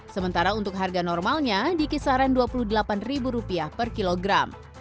sementara untuk harga normalnya di kisaran rp dua puluh delapan per kilogram